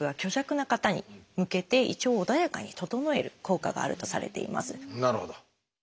なるほど。